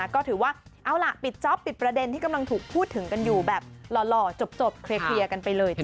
ก็ถือว่าเอาล่ะปิดจ๊อปปิดประเด็นที่กำลังถูกพูดถึงกันอยู่แบบหล่อจบเคลียร์กันไปเลย